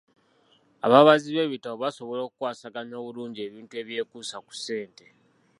Ababazi b'ebitabo basobola okukwasaganya obulungi ebintu ebyekuusa ku ssente.